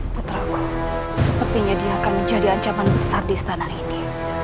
putra awal sepertinya dia akan menjadi ancaman besar di istana ini